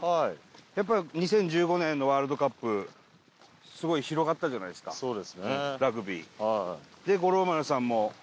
やっぱり２０１５年のワールドカップすごい広がったじゃないですかラグビー。